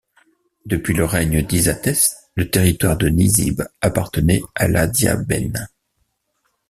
Depuis le règne d'Izatès, le territoire de Nisibe appartenait à l'Adiabène.